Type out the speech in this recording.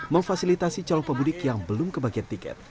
memfasilitasi calon pemudik yang belum kebagian tiket